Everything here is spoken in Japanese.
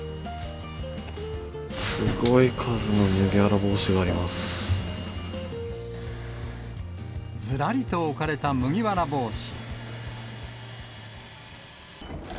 すごい数の麦わら帽子がありずらりと置かれた麦わら帽子。